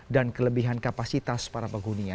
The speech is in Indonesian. dan kelebihan kapasitas para pegunia